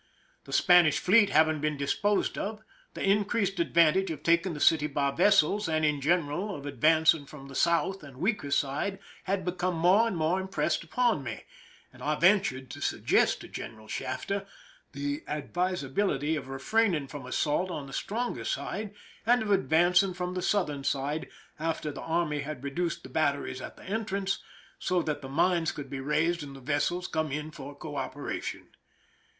The Spanish fleet having been disposed of, the increased advantage of taking the city by vessels and, in general, of advancing from the south and weaker side had become more and more impressed upon me, and I ventured to suggest to General Shgbfter the advisability of refraining from assault on the stronger side and of advancing from the southern side after the army had reduced the bat teries at the entrance, so that the mines could be raised and the vessels come in for cooperation.